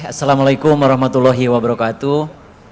assalamualaikum warahmatullahi wabarakatuh